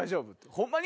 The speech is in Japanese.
ホンマに！